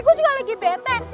gue juga lagi bete